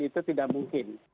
itu tidak mungkin